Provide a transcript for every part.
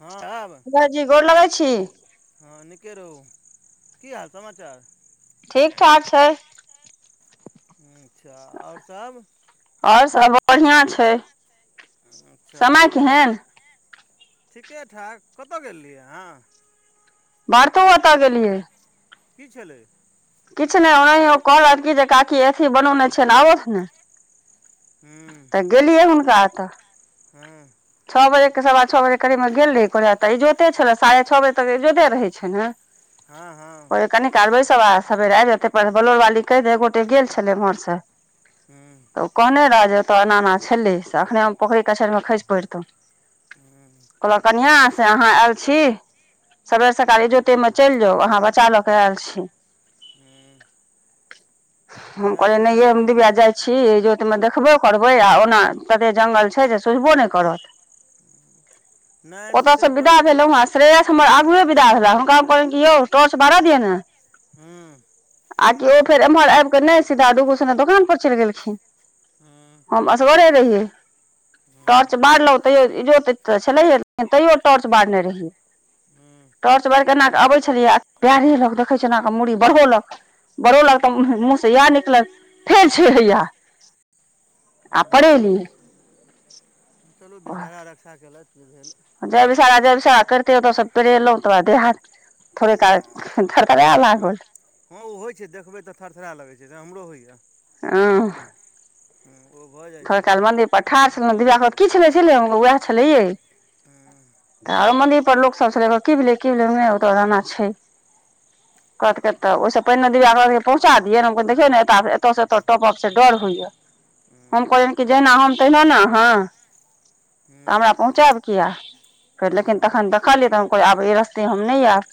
हँ आएब। जी गोर लगै छी [unintelligible] हँ नीके रहु। की हाल समाचार? ठीक ठाक छै। [inaudible] अच्छा आओर सब? आओर सब बढ़ियां छै। अच्छा समय तखन त केहन [unintelligible] ठीके ठाक कत गेल रहियै अहाँ? भारतब ओत गेलियै। की छलै? किछ नै ओनाहिए, ओ कहलथि कि जे काकी अथी बनौने छिअइ आबौथ ने। हूं। त गेलियै हुनका ओत। हूं। छ बजे के सवा छ बजे करीब मे गेल रहिअइ, कहलियै त इजोते छलै साढ़े छ बजे तक इजोते रहै छै ने। हँ-हँ। कनी काल बैसब आ सबेरे आबि जाएब तै पर बलोर बाली कहि दे एक गोटे गेल छलै ओमहर सं। हुं। त ओ कहने रहै जे ओत एना एना छलै से अखने पोखरि कछरिमे खसि परितौ। हूँ। [unintelligible] कहलक कनियां से अहाँ एल छी सबेर सकाल इजोतेमे चलि जाउ, अहाँ बच्चा ल क आएल छी। हूँ हम नहि कहलियै से नै तऽ यै, नीक हम डिबिया जाइ छी इजोत मे देखबो करबै आ ओना तते जङ्गल छै जे सुझबो नइ करत। नहि तऽ से ओतयसँ अपन विदा कतौ भेलहुँ हेँ श्रेयस हमर आगुए विदा भेला हुनका हम कहलियन कि यौ टॉर्च बारऽ दियऽ ने। हूँ। आ कि ओ फेर एम्हर आबि कऽ नहि सीधा डूगू सने दोकानपर चलि गेलखिन। हुं। हम असगरे रहियै। टॉर्च बारलहुँ तैयो ईजोत त छलैहेे लेकिन तैयो टॉर्च बारने रहियै। हूँ टॉर्च बैर के एना कऽ अबै छलियै आ कि पैरे लग देखै छी एना कऽ मुड़ी बढौलक। बढौलक तऽ मुँहसँ इएह निकलल फेर छै हैया। आ हूँ पड़ेलियै। चलू विषहारा रक्षा केलथि जे भेल। जय विषहारा जय विषहारा करितै ओतयसँ पेरेलहुँ तकरबाद देह-हात। थोड़े काल थरथरे लागल। हौ होइ छै देखबै तऽ थरथरा लगै छै से हमरो होइए, हूँ। हु ओ भऽ जैत। थोड़ेकाल मन्दिर पर ठाढ़ छलहुँ दिबिया कहलक की छलै छलै उएह छलै यै। हूँ तऽ आरो मंन्दिर पर लोकसभ छलै कहलक की भेलै की भेलै नहि ओतऽ एना-एना छै। [inaudible] कहथ कतऽ ओहि सऽ पहिने दिव्या कहलकै पहुँचा दियौ हम कहलियै देखियौ ने एत से एत टपब से डर होइये। हम हूँ कहलियनि कि जहिना हम तहिना ने अहाँ तऽ हूँ हमरा पहुँचायब किया। फेर लेकिन हूँ जखन देखलियै तऽ हम कहलियै आब ई रस्ते हम नै एब।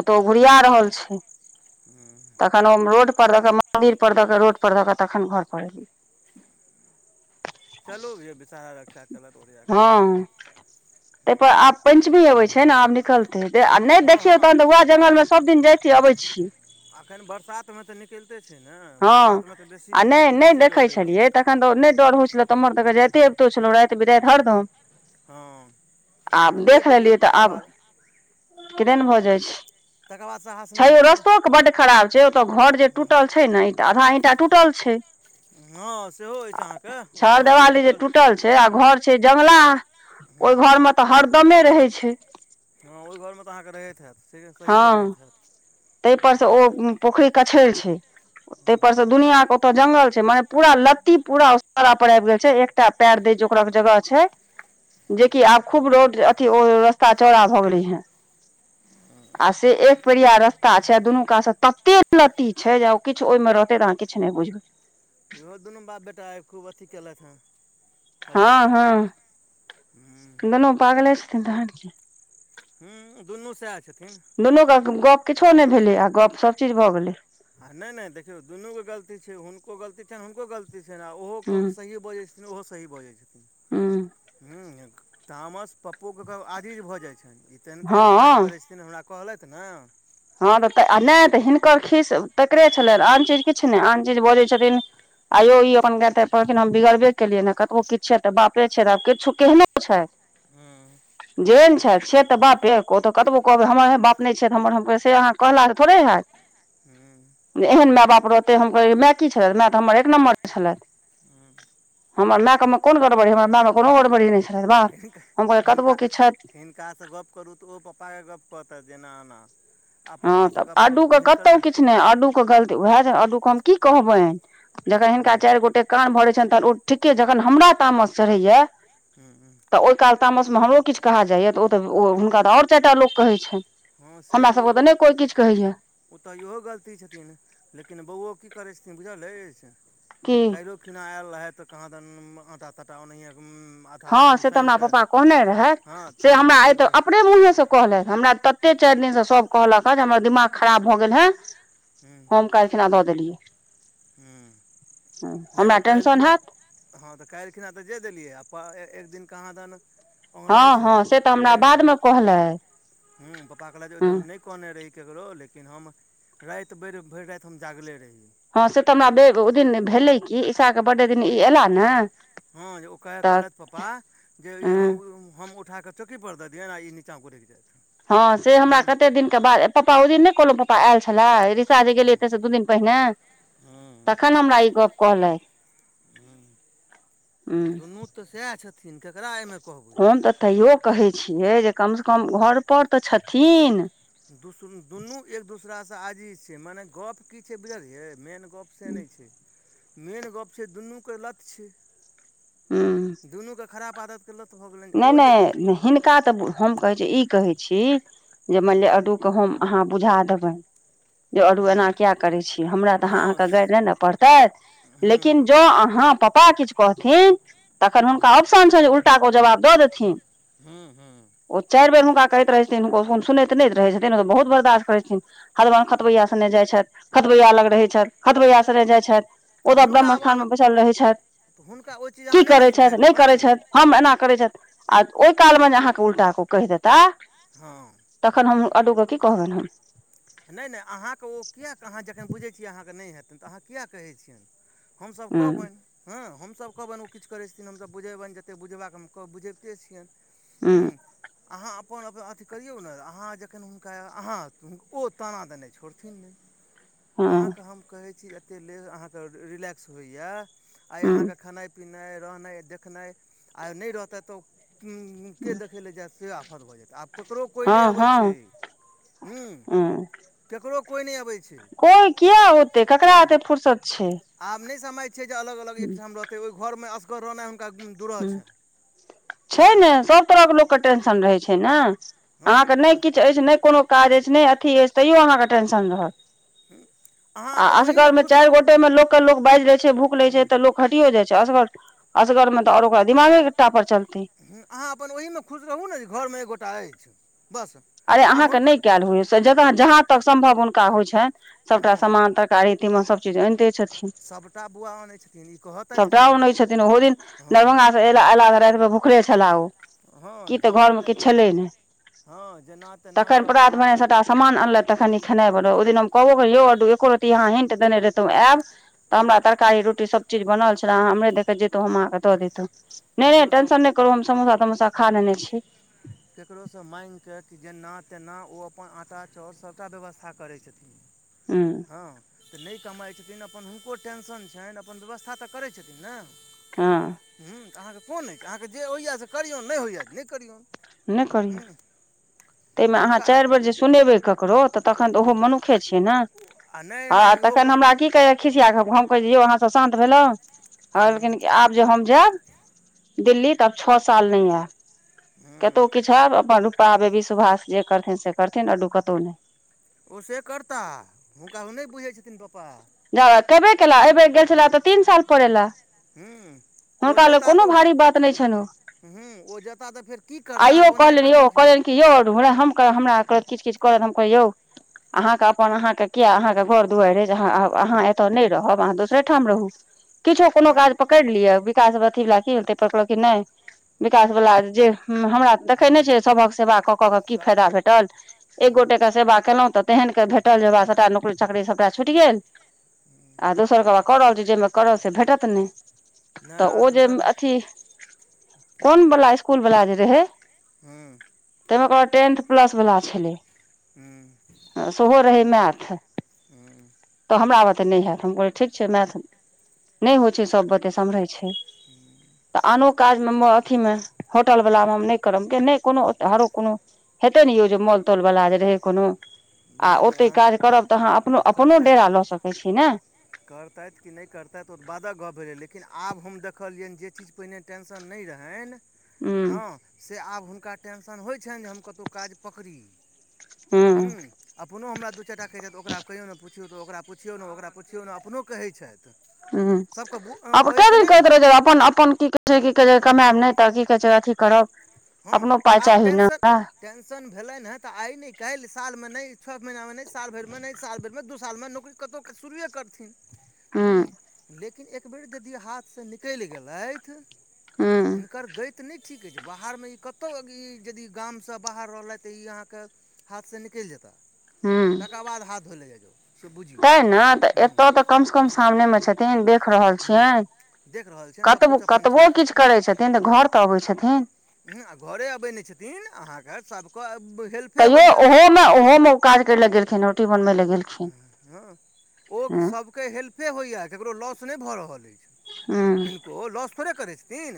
ओतऽ ओ हूँ घुरिया रहल छै। हूँ। तखन ओऽ हम रोड पर दऽ कऽ मन्दिर पर दऽ कऽ रोड पर द कऽ तखन घर पर एलियै। चलु यै विषहारा रक्षा केलैथ ओरिया कऽ। हँ, तै पर आब पंचमी अबै छै ने आब निकलतै। आ नहि हँ हँ देखियौ आब तखन तऽ वैह एखन जंगल में सभ दिन जाइ छी अबै छी। एखैन बरसातमे तऽ निकलिते छै ने हँ बरसात मे तऽ बेसी निकलैत छै बेसी डर रहैत छै। एखन तऽ नहि डर होइ छले तऽ इमहर दऽ के जाइते अबते छलहुं राति बिराइत हरदम। हँ आ आब देख लियौ लेलियै तऽ तकर आब बाद किदैन भऽ जाइ छै। तकर बाद साहस नहि छै ओ होइ रस्तो ते बड खराब छै ओतऽ घर जे टूटल छै ने तऽ आधा ईटा टूटल छै। हँ सेहो अछि अहाँके ओ घर जे टूटल छै आ घर छै जंगलाह, ओय हूँ घर मे तऽ हरदमे रहे छै। हँ ओहि घरमे तऽ अहाँकेँ रहैत हैत, ठीके सही में रहैत हैत। तै पर से हूँ ओ पोखरि कछैर छै‌। तैई पर से हूँ दुनियाँ के ओतऽ जंगल छै, मने पूरा लत्ती पूरा असोरा पर आबि गेल छै एक टा पैर दैय जोगरक जगह छै जेकि आब खूब रोड अथी ओ रस्ता चौड़ा भऽ गेलै हे। आ से एक पैरिया रस्ता ता छै आ दुनू कात से तते लती छै जे ओ किछु ओहिमे रहतै तऽ अहाँ किछु नहि बुझबै। इहो दुनू बाप बेटा आइ खूब अथी केलथि हँ। हँ हँ, हूँ दुनू पागले छथिन तखैन कि। हूँ दुनू सएह छथिन। दुनू काक गप किछो नैई भेलै, आ गप सभ चीज भऽ गेलै। आ ने ने देखियौ दुनुके गलती छै, हुनको गलती छन हुनको गलती छैईन आ ओहो हूँ कहु सही बजै छै ओहो सही बजै छथिन हूँ हम्म तामस पप्पोके आधीज भऽ जाइ छन इ तेहन-तेहन काज हँ करै छथिन हमरा कहलथ न ह नै तऽ नै तऽ हिनकर खीस तकरे छलन आन चीज किछ नै आन चीज बजै छथिन आइयो इ अपन गैर -तैर परलखिन हम बिगड़बे केलियै न कतबो किछु छैथ तऽ बापे छैथ त आब किछु केहनो छैथ। हूँ जेहेन छैथ छियैथ तऽ बापे ओ तऽ कतबो कहबै हमर बाप नहि छैथ हमर- - ते अहाके कहलासे थोड़े हैत। हु- - एहन माय बाप रहतै हम कहै माय की छल माय तऽ हमर एक नम्बर छलै। हु [inaudible] हमर मायकमे कोन गड़बड़ी हमर मायमे कोनो गड़बड़ी नै छल बा हम कहै कतबो किछ छैथ। हिनकास गप्प करु तऽ ओ पप्पाके गप्प कहतैत एना- एना - - ह तऽ आडू के कतहु किछ नै आडू - - हुनको गलती उएह अडू हम की कहबनि जखन हिनका हूँ चारि गोटे- - कान भरै छनि तहन ओ ठीके जखन हमरा तामस चढ़ैया। हु हु- - तऽ ओहि काल तामसमे हमरो किछ कहा जाइए तऽ ओ तऽ ओ हुनका तऽ आओर चारि टा लोक कहैय छैईन। ह से उड़ - उड़ - - ओतह इहो गलती छथिन लेकिन बौओ की करै छथिन बुझल अछि की काल्हियो- - खिना आयल रहैथ तऽ कहा देन आटा- ताटा ओनाहिये हु - - ह से तऽ हमरा पापा कहने राहेथ हँ से हमरा थारीमे आय छोड़ि तऽ कऽ अपने मुहेस- - कहलैथ हमरा चारि दिनस सब कहलक हमरा दिमाग खराब भऽ गेल ह हम- - काइल खना दऽ देलिये- - हु नै हमरा नै टेंशन कालिखिना- हैत - ह तऽ काल्हि खिना तऽ जे देलियै पा एक दिेन कहादन- - ओगहराइ हँ हँ से छलैह तऽ हमरा भरि बादमे राति कहलथि हु पापा कहले जे ओय हँ दिन नै- - ने कहने रही ककरो लेकिन हम राति भरि- भरि राति हम जागले रही - - ह से तऽ हमरा बे ओ दिन भेलैय कि ईशाक बड्डे दिन इ एयलाह ने - - ह यो ओकरा कहलथि पप्पा जे ई हम हम उठा कऽ- - चौकी पर दऽ दियैन आ इ निचा गुरैक जैत। ह से हमरा कते दिनके बाद पापा ओहि दिन नै कहलहु पापा आयल छलाह। पैरे गेलैये एते से दु दिन पहिने हूँ तखन हमरा इ गप्प कहलैथ। हु हूँ दुनु तऽ सैह छथिन केकरा एहिमे- - हम तऽ तैयो कहैय छियै जे कमसँ कम घर पर तऽ छथिन। दु सुनु दुनु एक दोसरा स आजीज छैय मने गप की छैय बुझलियै मेन- - गप से नै छैय, मेन गप छैय दुनुके लकक्ष - हूँ - दुनुके खराब आदतके लत भऽ गेलनि ओ जे -जे - - कात तऽ हम कहैय छी ई कहै छी जे मानि लिऽ हूँ अडुके हम अहा बुझा देबैन। यो अडु एना किया करैय छी, हमरा तऽ अहा हूँ हँ अहाके गारि नै न पड़तैत। हूँ लेकिन ज अहा पापा किछ - - कहथिन तखन हुनका हूँ आप्शन छनि जे उल्टाके ओ जवाब दऽ देथिन। हूँ हूँ ओ चारि बेर हुनका कहैत रहैथिन ओ सुनैत - - सुनैत रहैय छथिन ओ बहुत बर्दाश्त करैत छथिन हरदम खतबैया- - खने जाइ छथि खथबैय लग रहैय छथि खतबैया सने जाइ छैथ। तऽ ओतऽ हुनका ब्रह्म आब स्थानमे अहाँ बैसल रहैत हुनका ओ चीज छथि की अहाँ नहि ने करैत छथि सुधारि नै करैत देबनि छथि। हम एना करैत छथि आ ओहि कालमे जे अहाके उल्टाके कहि देताह हा तखन हम अदोके की कहबनि हम। नै नै अहाके ओ किए अहा जखन बुझैत छियै अहाके नै हेतनि तऽ अहाँ किएक कहै छियनि। हमसब हम कहबनि। हँ हम सब कहबनि ओ किछ करै छथिन हम सब बुझेबनि जते बुझेबाक हम क बुझबिते छियनि। हूँ हुं अहाँ अपन अप अथी करियौ ने अहाँ जखन हुनका अहाँ हु ओ ताना देनाइ छोड़थिन नै। हूँ हँ अहाँके हम कहै छी जे एते ले अहाँके रि रिलैक्स होइए आइ हूँ अहाँके खेनाइ पिनाइ रहनाइ देखनाइ आ नै रहतैथ त कि के अं देखै ले जाएत से आ फत भ जेतै आब ककरो कोइ नै हँ अबै छै हँ हुं। केकरो कोइ नै अबै छै। कोई किए औतै हूँ केकरा एते फुरसत छै। आब नै समझ छै जे अलग अलग एकठाम रहतै ओहि घरमे अस गर रहनाइ हुनका गुण दूरह छनि हें। सब तरहक लोकके टेंशन रहै छै ने, अहांके ऩै हँ किछ अछि नै कोनो काज अछि नै अथी अछि तैयो अहाँके टेंशन रहत। अहाँ आ अपन ओहीमे असगरमे खुश चारि रहू गोटे मे लोकके लोक बाजि लै छै भूकि लै हँ छै त लोक घटियो जाइ छै असगर असगर मे त आओर ओकरा दिमागे के टापर चलतै। हूँ अहाँ अपन ओहीमे खुश रहू ने जे घरमे एकगोटा अछि बस। अरे आब अहाँ के नै हुनकर कैल होइया से ज जहाँ तक सम्भव हुनका होइ छनि सभटा हँ समान तक तरकारी तीमन सब चीज आनि दै छथिन। सभटा बौआ आनै छथिन ई [unintelligible] कहतथि सबटा की अनै छथिन ओहो दिन हँ दरभंगा। एला एला त रातिमे भुखले छला ओ हँ की त जेना घरमे तेना किछु छलै नै। हँ जेना तेना तखन चाउर प्रात भेने आटा सबटा समान अनलथि तखनि इ खेनाइ बनौ ओहि दिन हम कहबो केलिअनि यौ अद्दु एको रत्ती अहाँ हिंट देने रहितौँ आएब। त हमरा तरकारी रोटी सब चीज बनल छले अहाँ इम्हरे द क जैतौं हम अहाँकेँ द दितौं। नै नै ककरोसँ टेंशन नै करू हम समोसा तमोसा खा लेने छी। केकरो सं माँगिक कि जेना तेना ओ अपन आंटा चाउर सभटा व्यवस्था करै छथिन। हुं हँ त नै कमाइ छथिन अपन हुनको टेंशन छनि अपन व्यवस्था त करै छथिन ने। हँ हुं अहाँके कोन अछि अहाँकेँ जे होइए से करियौन नै होइए त नै करियौन। नै करियौ हूँ तै मे तऽ अहाँ हुनका चारि बेर जे सुनेबै ककरो त तखन त ओहो मनु खे छियै ने नहि आ नहि इहो तखन गप हमरा की कहैया खिसिया क हम कहलिअइ यौ अहाँ सब शांत भेलहुँ। हमरा हूँ केलखिन आब जे हम जाएब दिल्ली त आब छ साल नै आएब। केतौ हँ किछु हैब अपन रूक्ता बेबी सुभाष जे करथिन से करथिन अद्दु कतौ नै। ओ से करता हुनका ओ नै बुझै छथिन पप्पा। जा ए केबे केला अइ बेर गेल छला त तीन साल पर एला हुं ओ हुनका लए जेता कोनो त ओ भारी बात नहि छनि ओ हुं ओ जेता त फेर की करता आइयो बुझनाइ कहलनि यौ कठिन छै। कहलनि कि यौ अदभोला हमक हमरा किछु किछु कहलथि हम कहलिअनि यौ अहाँके अपन अहाँके किए अहाँके घर दुआरि ऐ जे अहाँ आउ अहाँ एतह नै रहब अहाँ दोसरे ठाम रहू, किछो कोनो हँ काज पक कैरि लिअ विकास ब अथी लय की होतय, फोफरो की नाहि, विकास वला जे हम हमरा देखै नै आँय छिअइ सभक सेवा क क क की स फायदा भेटल, एक गोटे नहि के सेवा केलहुँ त तेहन क भेटल जे वैह सभटा नौकरी चाकरी सभटा छुटि गेल। [inaudible] आ दोसरके वैह क रहल छी जैमे करब से भेटत नै, त आ ओ जे दोसर अथी कोन वला स्कुल वला जे रहै। हुं तै मे कहल टेंथ प्लस वला छलैय। उहुं। आ सेहो रहै मैथ। हूँ तऽ हमरा बते नहि हैत हम कहलियै ठीक छै मैथ, नहि होइ छै सभ बते समरैय छै। [inaudible] तऽ आनो काजमे म अथी मे, होटल वला मे हम नहि करब कि नहि कोनो हरो कोनो हेते ने यौ जे मोल तोल बला जे रहै कोनो आ नहि नहि ओतहि आन काज करब तऽ अहाँ अपनो अपनो डेरा करतथि लऽ सकैय छी ने। करतथि कि नहि करतथि ओ तऽ बादक गप्प भेलय, लेकिन आब हम देखलियनि जे चीज पहिने टेंशन नहि रहैनि हूँ हँ से आब हुनका टेंशन होइ छैनि जे हम कतहु काज पकड़ी। हूँ हुं अपनो हमरा दू चारि टा खैयतथि, तऽ ओकरा कहियौ ने पुछियौ तऽ ओकरा पुछियौ ने ओकरा पुछियो ने अपनो कहै छथि। हुं सभके बु अब कए कहैके दिन नहि ने कहैत रहैत जे अप्पन-अप्पन की झुठे की कहे छै कमायब नहि, तऽ की कहे छै अथी करब हँ अपनो तऽ पााय आब चाही ने। टेंशन टेंशन भेलेन हैं त आय न काल् साल में नहि छओ महीना मे नहि साल भर में ने साल भर में दू साल में नौकरी कतौक शुरुए करथिन। हूँ हुं, लेकिन एकबेर यदि हाथसँ निकलि गेलथि हूँ हिनकर गैत नहि ठीक अति, बाह बाहरमे ई कतौ ई यदि गामसँ बाहर रहलैथि ई अहाँ के हाथसँ निकलि जेताह। हुं तकर बाद हाथ धोय लए जाय जाउ। से बुझियौ ते न तऽ हूँ एतौ तऽ कम से कम सामने मे छथि। तेहन देख रहल हूँ छियैन, देख रहल छियनि कतबो- सभकिछु अपन कतबो छथि किछु करै छथिन। तै ने तऽ घर तऽ अबै छथिन। हिआ घरे अबै नहि छथिन अहाँके सभको अब हेल्प तैयो ओहो मे ओहो मे काज करे लऽ गेलखिन है, रोटी बनबे ल गेल हँ, ओख सभके हेल्पे होइए ककरो लॉस नहि भऽ रहल अछि। हू को लॉस थोड़े करैत छथिन,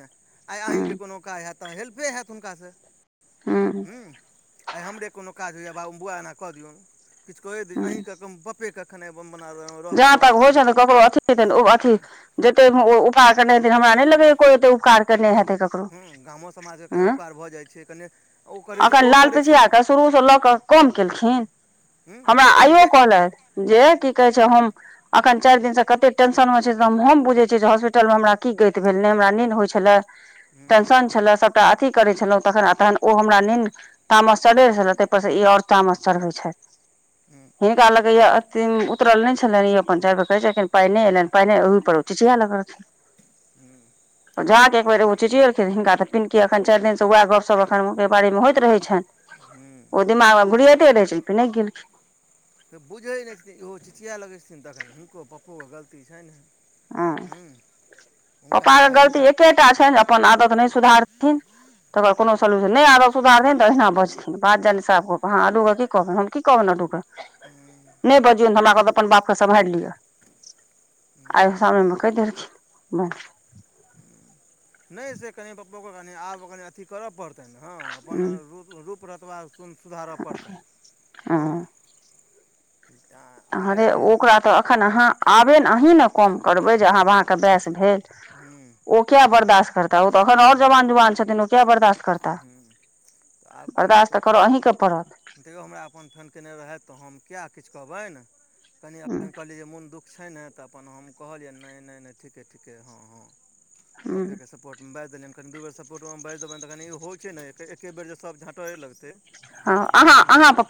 आइ अही के हूँ कोनो काज हैत तऽ हेल्पे हैत हुनका से। हूँ आइ हमरे कोनो काज होइए बाबू बौआ एना कऽ दियौन, किछ कए दै, अहीँ हूँ बपे कखन एब हम बनाब, जहाँ रहलहुं तक होइ कनै छनि तऽ ककरो अथ देतैन ओ अथी जते ओ उपास नहि हेते हमरा नहि लगय कोई एते उपकार केने हेते त हूँ गामो समाजके कनि परोछय ह उपकार भऽ जाइ छै कनि ओ करै छै अखन ओ लाल करै पीछिआ छथिन क शुरू स लऽ कऽ कोन केलखिन, हूँ हमरा आइ आइयो जाइ कहलैथि, जे की कहै छै हम अखन चाएर दिन से कते टेंशन मे छीयै से हम हम बुझय छियै जे हॉस्पिटल मे हमरा की गैत भेल नै हमरा निंद होय छले। हूँ टेंशन छलै सबटा अथी करै छलौ तखन आ तहन ओ हमरा निंद तामस चढ़ै छलै तै पर से ई और तामस चढ़बै छैथ। हूँ हिनका लगै से यै अथी उ उतरल नै छलैन ईहो अपन चाएर बेर कहै छथिन पाइ ने एलैन पाइ नै ओहि पर उ चिचया लगलखिन। हूँ ओ जा के एक बेर तऽ उ चिचयैलखिन हिनका तै दिन की अखन चाएर दिन से उहे गप्प-सप्प एखन हुनके बारे मे होएत रहै छैन। हूँ। ओ दिमागमे घुुरयते रहै छै फेर नै गेलखिन। तऽ बुझै नै छथिन इहो चिचया लगै छथिन तखन हिनको पप्पोके गलती छै नै। हँ हूँ हुनकर आय हिनका एकटा छैन अपन आदत नै सुधारथिन तकर बाद कोनो सल्यूशन नै आब आदत सुधारथिन तऽ अहिना बजथिन बात जानी साफ गप अहां अड्डु के की कहबै, हम की कहबैन अड्डु कै। हूं। नै बजियै न हमरा कहलकै अपन बाप के सम्हार लिअ। आय उ सामने मे कह देलखिन्ह बस नै से कनि पप्पोके कनि आब कनि अथि करय पड़तैन हाँ अपन रूप-रूप रतबा सुन सुधारऽ पड़तैन हाँ तै अहां रे ओकरा तऽ एखन अहाँ आबे नै अहीं नै कम करबे जे आब अहाँके बाऐस भेल हूँ ओ किया बर्दाश्त कर तै ओ त ऐखन और जवान जुवान छथिन ओ किया बर्दाश्त करता हुँ आब कनेतौ। ही के पड़त देखियौ हमरा अपन फोन केने रहैथ तऽ हम किया किछ कहबैन कनि एखन कहलियै जे मोन दुःख छै नै तऽ अपन हम कहलियै नै-नै-नै ठीके-ठीके हाँ-हाँ पप्पेके स पोर्ट में बाएज देलयैन कनि दू बेर सपोर्ट मे हम बाएज देबैन त कनि ओ हय छै नै फेर एके बेर जे सब झाँटाए लगतै हाँ हूँ अहाँ-अहाँ पप्पा